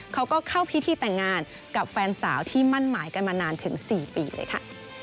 เขาก็เข้าพิธีแต่งงานกับแฟนสาวที่มั่นหมายกันมานานถึง๔ปีเลยค่ะ